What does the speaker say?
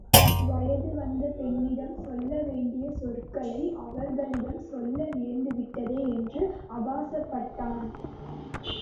வயது வந்த பெண்ணிடம் சொல்ல வேண்டிய சொற்களை அவளிடம் சொல்ல நேர்ந்துவிட்டதே என்று அபாசப்பட்டான்.